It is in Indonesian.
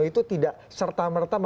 itu tidak serta merta